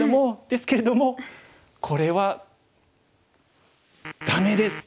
ですけれどもこれはダメです！